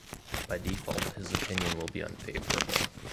By default, his opinion will be unfavorable.